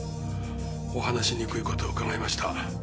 お話しにくいことを伺いました。